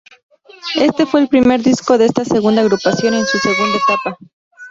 Este fue el primer disco de esta agrupación en su segunda etapa.